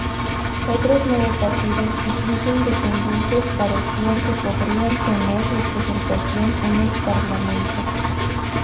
Otros nueve partidos y cinco independientes parecían que podrían tener representación en el parlamento.